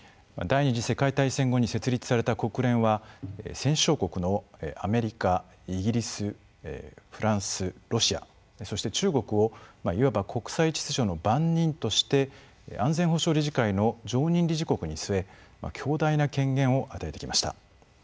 第２次世界大戦後に設立された国連は戦勝国のアメリカイギリスフランスロシアそして中国をいわば国際秩序の番人として安全保障理事会の常任理事国に据え強大な権限を与えてきました。